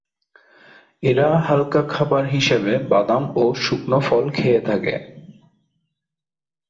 এরা হালকা খাবার হিসেবে বাদাম এবং শুকনো ফল খেয়ে থাকে।